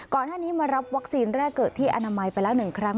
ก่อนหน้านี้มารับวัคซีนแรกเกิดที่อนามัยไปแล้ว๑ครั้ง